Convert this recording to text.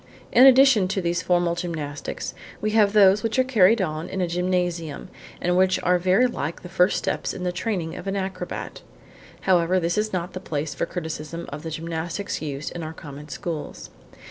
In addition to these formal gymnastics we have those which are carried on in a gymnasium, and which are very like the first steps in the training of an acrobat. However, this is not the place for criticism of the gymnastics used in our common schools.